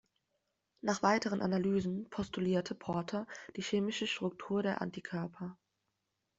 Nach weiteren Analysen postulierte Porter die chemische Struktur der Antikörper.